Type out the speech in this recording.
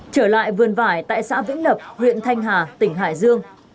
trở lại vườn vải tại xã vĩnh lập huyện thanh hà tỉnh hải dương